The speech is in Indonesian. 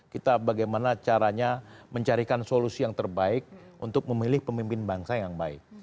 kita bagaimana caranya mencarikan solusi yang terbaik untuk memilih pemimpin bangsa yang baik